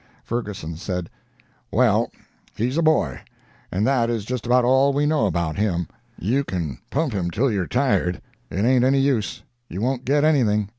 Ferguson said, "Well, he's a boy. And that is just about all we know about him. You can pump him till you are tired; it ain't any use; you won't get anything.